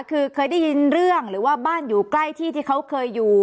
คือเคยได้ยินเรื่องหรือว่าบ้านอยู่ใกล้ที่ที่เขาเคยอยู่